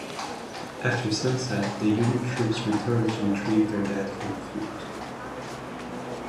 After sunset the Union troops returned to retrieve their dead from the field.